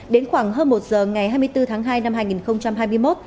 đến khoảng hơn một giờ ngày hai mươi bốn tháng hai năm hai nghìn hai mươi một